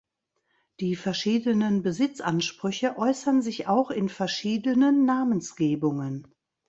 Die verschiedenen Besitzansprüche äußern sich auch in verschiedenen Namensgebungen.